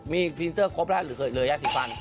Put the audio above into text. มีฟีเรียนเตอร์ครบได้หรือเหลือยาสิฟัน